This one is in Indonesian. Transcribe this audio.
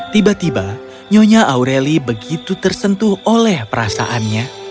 tiba tiba nyonya aureli begitu tersentuh oleh perasaannya